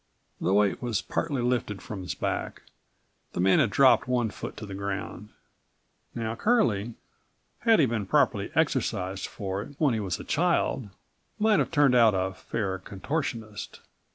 The weight was partly lifted from his back. The man had dropped one foot to the ground. Now Curlie, had he been properly exercised for it when he was a child, might have turned out a fair contortionist.